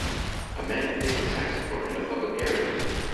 A man plays a saxophone in a public area.